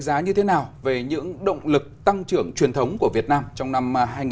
đó là tất cả các kỹ thuật về khả năng tăng trưởng của việt nam trong năm hai nghìn hai mươi bốn